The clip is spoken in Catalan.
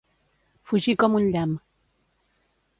Fugir com un llamp.